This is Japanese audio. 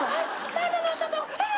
窓の外あっ！